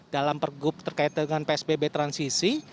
dalam pergub terkait dengan psbb transisi